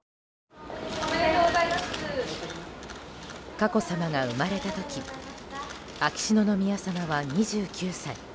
佳子さまが生まれた時秋篠宮さまは２９歳。